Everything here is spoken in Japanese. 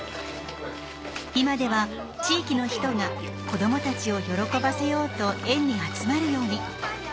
今では地域の人が子どもたちを喜ばせようと園に集まるように。